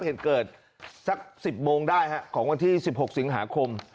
เห็นเกิดสักสิบโมงได้ฮะของวันที่สิบหกสิงหาคม